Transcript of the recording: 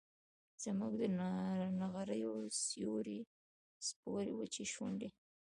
زموږ د نغریو سپورې وچې شونډي